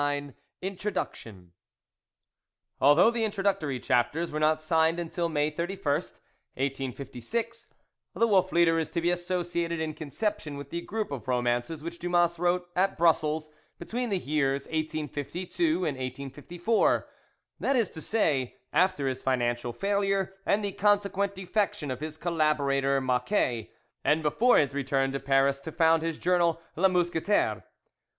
in INTRODUCTION A LTHOUGH the introductory chapters were not signed until May 3ist, 1856, 2~\ The Wolf Leader is to be associated in conception with the group of romances which Dumas wrote at Brussels between the years 1852 and 1854, tnat * s to say, after his financial failure and the consequent defection of his collaborator Maquet, and before his return to Paris to found his journal Le Mousquetaire.